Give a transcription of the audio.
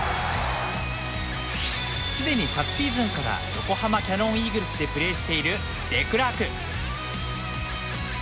すでに昨シーズンから横浜キヤノンイーグルスでプレーしているデクラーク。